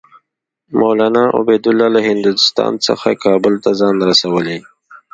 مولنا عبیدالله له هندوستان څخه کابل ته ځان رسولی.